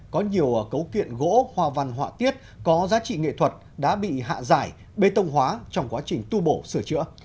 có nhiều cấu kiện gỗ hoa văn họa tiết có giá trị nghệ thuật đã bị hạ giải bê tông hóa trong quá trình tu bổ sửa chữa